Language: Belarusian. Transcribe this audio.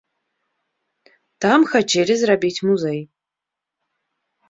Там хацелі зрабіць музей.